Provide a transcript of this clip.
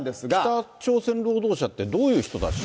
北朝鮮労働者ってどういう人たち？